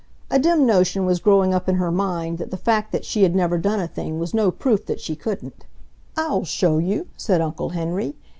A dim notion was growing up in her mind that the fact that she had never done a thing was no proof that she couldn't. "I'll show you," said Uncle Henry.